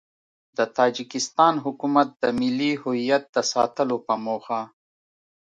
د تاجیکستان حکومت د ملي هویت د ساتلو په موخه